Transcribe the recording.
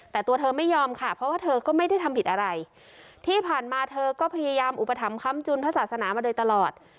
แต่ตัวเธอไม่ยอมค่ะเพราะว่าเธอก็ไม่ได้ทำผิดอะไรที่ผ่านมาเธอก็พยายามอุปถัมภ้ำจุนพระศาสนามาโดยตลอด